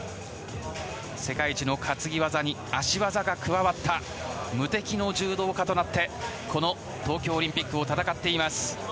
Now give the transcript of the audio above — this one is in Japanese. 世界一の担ぎ技に足技が加わった無敵の柔道家となってこの東京オリンピックを戦っています。